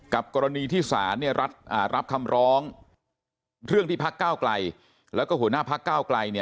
กับกรณีที่ศาลรัฐรับคำร้องเรื่องที่พระเก้าไกลและหัวหน้าพระเก้าไกล